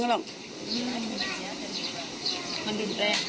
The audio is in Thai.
อ่ะว่ากลัวหยุดเร็ก